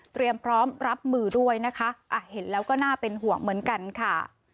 พร้อมรับมือด้วยนะคะเห็นแล้วก็น่าเป็นห่วงเหมือนกันค่ะ